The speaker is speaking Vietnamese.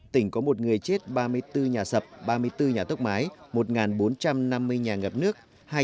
tỉnh có một người chết ba mươi bốn nhà sập ba mươi bốn nhà tốc mái một bốn trăm năm mươi nhà ngập nước